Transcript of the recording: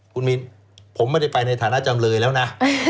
คุณมินผมไม่ได้ไปในฐานะจำเลยแล้วนะ